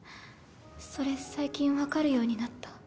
それ最近分かるようになった。